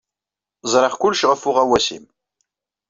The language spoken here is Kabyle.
Ẓriɣ kullec ɣef uɣawas-nnem.